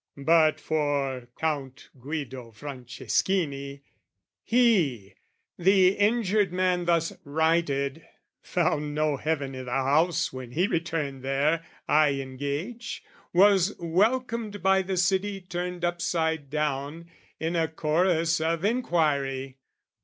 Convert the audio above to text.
But for Count Guido Franceschini, he The injured man thus righted found no heaven I' the house when he returned there, I engage, Was welcomed by the city turned upside down In a chorus of inquiry.